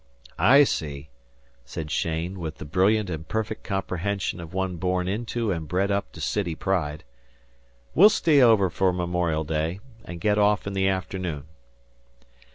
"I see," said Cheyne, with the brilliant and perfect comprehension of one born into and bred up to city pride. "We'll stay over for Memorial Day, and get off in the afternoon."